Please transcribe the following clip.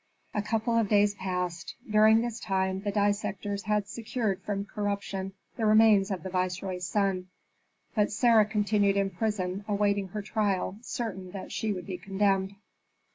A couple of days passed. During this time the dissectors had secured from corruption the remains of the viceroy's son; but Sarah continued in prison, awaiting her trial, certain that she would be condemned.